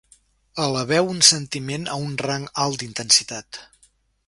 Eleveu un sentiment a un rang alt d'intensitat.